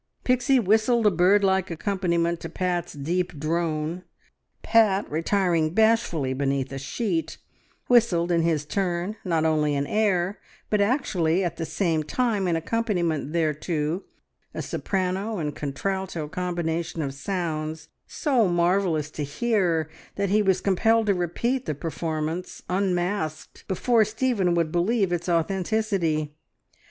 Pixie whistled a bird like accompaniment to Pat's deep drone; Pat, retiring bashfully beneath a sheet, whistled in his turn not only an air, but actually at the same time an accompaniment thereto, a soprano and contralto combination of sounds, so marvellous to hear that he was compelled to repeat the performance unmasked, before Stephen would believe in its authenticity.